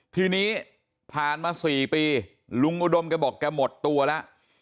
ทีนี้ผ่านมา๔ปีลุงอุดมแกบอกแกหมดตัวแล้ว